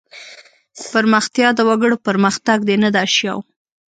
پرمختیا د وګړو پرمختګ دی نه د اشیاوو.